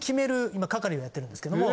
今係をやってるんですけども。